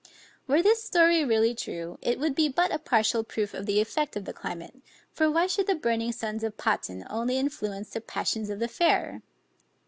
Were this story really true, it would be but a partial proof of the effect of climate, for why should the burning suns of Patan only influence the passions of the fair?